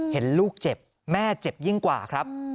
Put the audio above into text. เห็นลูกเจ็บแม่เจ็บยิ่งกว่าครับ